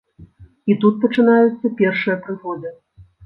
І тут пачынаюцца першыя прыгоды.